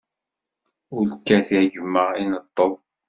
Ur kkat a gma ineṭṭeḍ!